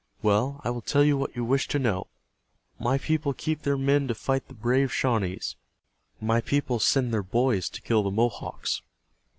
Well, I will tell you what you wish to know. My people keep their men to fight the brave Shawnees. My people send their boys to kill the Mohawks."